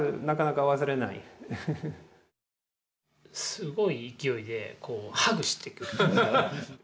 すごい勢いでこうハグしてくる。